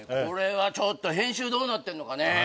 これはちょっと編集どうなってんのかね